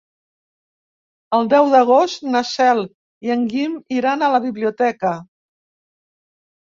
El deu d'agost na Cel i en Guim iran a la biblioteca.